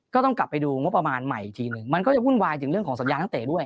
ก็ต้องกลับไปดูงบประมาณใหม่อีกทีหนึ่งมันก็จะวุ่นวายถึงเรื่องของสัญญานักเตะด้วย